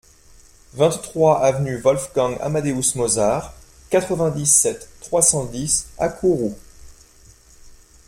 vingt-trois avenue Wolfgang Amadéus Mozart, quatre-vingt-dix-sept, trois cent dix à Kourou